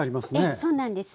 そうなんです。